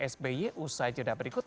sby usai jodoh berikut